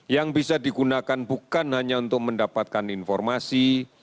yang bisa digunakan bukan hanya untuk mendapatkan informasi